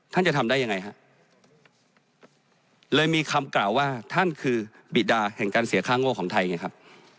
ท่านจะทำได้ยังไงฮะเลยมีคำกล่าวว่าท่านคือบิดาแห่งการเสียค่าโง่ของไทยไงครับ